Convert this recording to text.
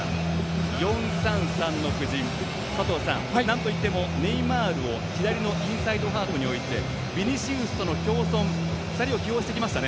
なんといってもネイマールを左のインサイドハーフに置いてビニシウスとの共存２人を起用してきました。